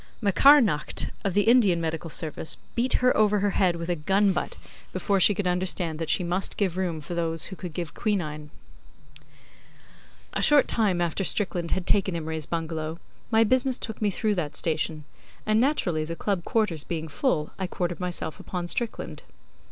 Macarnaght, of the Indian Medical Service, beat her over her head with a gun butt before she could understand that she must give room for those who could give quinine. A short time after Strickland had taken Imray's bungalow, my business took me through that Station, and naturally, the Club quarters being full, I quartered myself upon Strickland.